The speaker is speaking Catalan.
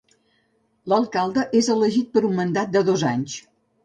L'alcalde és elegit per un mandat de dos anys.